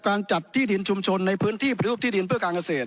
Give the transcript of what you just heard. จัดที่ดินชุมชนในพื้นที่ปฏิรูปที่ดินเพื่อการเกษตร